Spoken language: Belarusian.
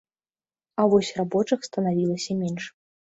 А вось рабочых станавілася менш.